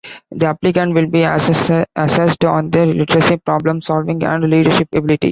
The applicant will be assessed on their literacy, problem solving, and leadership ability.